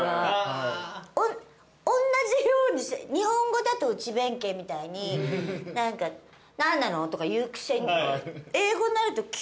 おんなじように日本語だと内弁慶みたいに何か「何なの？」とか言うくせに。